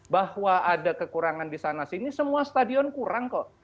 bahwa ada kekurangan di sana sini semua stadion kurang kok